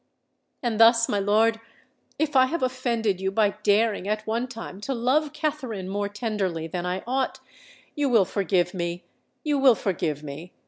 And thus, my lord—if I have offended you by daring at one time to love Katherine more tenderly than I ought—you will forgive me—you will forgive me!